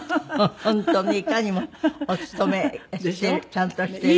本当にいかにもお勤めちゃんとしてる人。